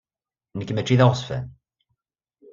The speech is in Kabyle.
Nekk mačči d aɣezzfan.